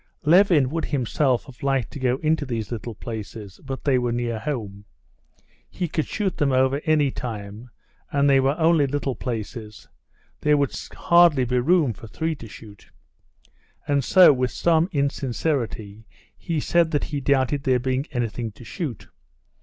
Levin would himself have liked to go into these little places, but they were near home; he could shoot them over any time, and they were only little places—there would hardly be room for three to shoot. And so, with some insincerity, he said that he doubted there being anything to shoot.